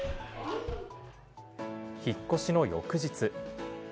引っ越しの翌日。